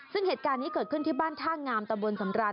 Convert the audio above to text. ซึ่งเหตุการณ์นี้เกิดขึ้นที่บ้านท่างามตะบนสำราน